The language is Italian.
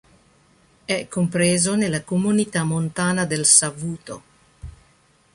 È compreso nella Comunità Montana del Savuto.